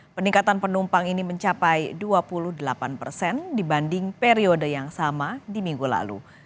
peningkatan penumpang ini mencapai dua puluh delapan persen dibanding periode yang sama di minggu lalu